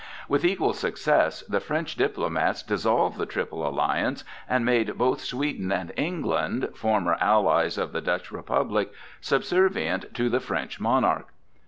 With equal success the French diplomats dissolved the Triple Alliance, and made both Sweden and England, former allies of the Dutch Republic, subservient to the French monarch.